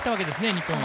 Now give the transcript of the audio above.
日本は。